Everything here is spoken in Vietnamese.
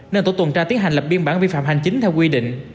nên tổ tuần tra tiến hành lập biên bản vi phạm hành chính theo quy định